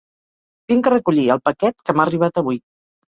Vinc a recollir el paquet que m'ha arribat avui.